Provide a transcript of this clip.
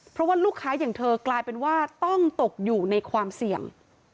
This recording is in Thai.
เพราะว่าลูกค้าอย่างเธอกลายเป็นว่าต้องตกอยู่ในความเสี่ยง